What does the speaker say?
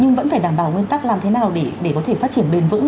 nhưng vẫn phải đảm bảo nguyên tắc làm thế nào để có thể phát triển bền vững